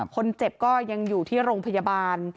คนเจ็บก็ยังอยู่ที่โรงพยาบาล